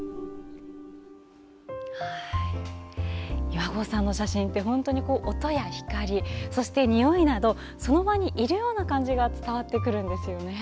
岩合さんの写真って音や光、においなどその場にいるような感じが伝わってきますよね。